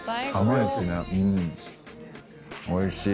おいしい。